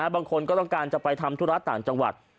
บางคนก็ต้องการจะไปทำธุระต่างจังหวัด